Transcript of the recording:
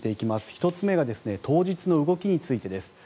１つ目が当日の動きについてです。